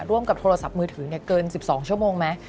ร่วมกับโทรศัพท์มือถือเกิน๑๒ชั่วโมงไหม